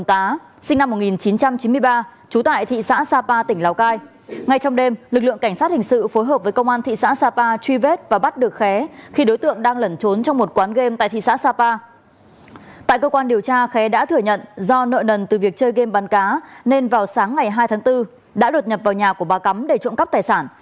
tại cơ quan điều tra khé đã thừa nhận do nợ nần từ việc chơi game bắn cá nên vào sáng ngày hai tháng bốn đã đột nhập vào nhà của bà cắm để trộm cắp tài sản